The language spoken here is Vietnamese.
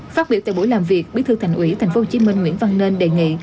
phát biểu tại buổi làm việc bí thư thành ủy tp hcm nguyễn văn nên đề nghị